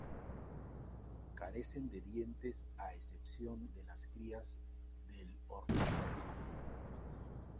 Carecen de dientes a excepción de las crías del ornitorrinco.